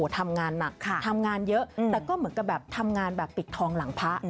ทำงานหนักทำงานเยอะแต่ก็เหมือนกับแบบทำงานแบบปิดทองหลังพระ